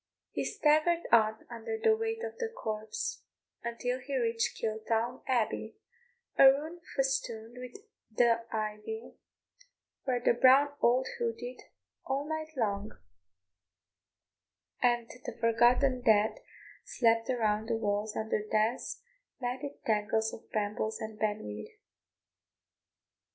He staggered on under the weight of the corpse until he reached Kiltown Abbey, a ruin festooned with ivy, where the brown owl hooted all night long, and the forgotten dead slept around the walls under dense, matted tangles of brambles and ben weed.